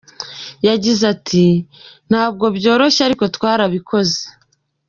Yagize ati “Ntabwo byoroshye ariko twarabikoze.